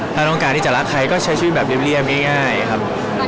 ถ้าต้องการที่จะรักใครก็ใช้ชีวิตแบบเรียบง่ายครับ